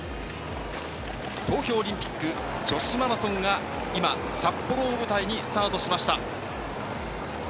東京オリンピック女子マラソンが今、札幌を舞台にスタートしました。